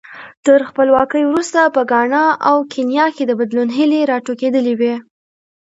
تر خپلواکۍ وروسته په ګانا او کینیا کې د بدلون هیلې راټوکېدلې وې.